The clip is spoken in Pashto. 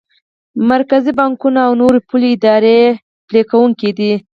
مرکزي بانکونه او نورې پولي ادارې یې پلي کوونکی دي.